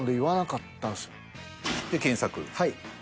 はい。